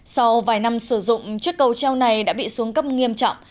sau vài năm sử dụng chiếc cầu treo này đã bị xuống cấp nghiêm trọng